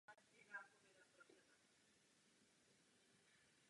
Je to jediný způsob, jak tuto katastrofální krizi ukončit.